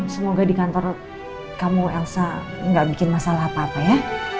semoga di kantor kamu elsa nggak bikin masalah apa apa ya